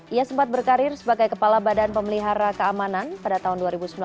ia sempat berkarir sebagai kepala badan pemelihara keamanan pada tahun dua ribu sembilan belas